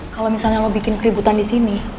kalau misalnya lo bikin keributan disini